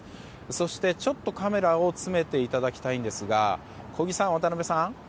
そして、ちょっとカメラを詰めていただきたいんですが小木さん、渡辺さん